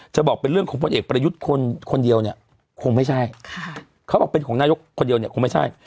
จะบอกเป็นเรื่องของพลเอกประยุทธ์คนเดียวเนี่ยคงไม่ใช่เขาบอกเป็นของนายกคนเดียวเนี่ยคงไม่ใช่